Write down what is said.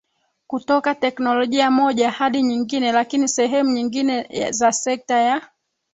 kutoka teknolojia moja hadi nyingine lakini sehemu nyingine za sekta ya